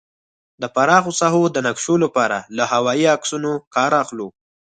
د پراخه ساحو د نقشو لپاره له هوايي عکسونو کار اخلو